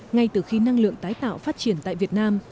ngay từ khi năng lượng tái tạo phát triển tại việt nam